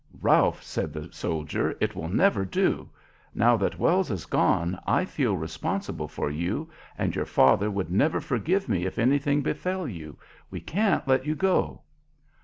"Ralph," said the soldier, "it will never do. Now that Wells is gone I feel responsible for you, and your father would never forgive me if anything befell you. We can't let you go?"